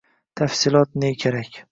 Tafsilot ne kerak…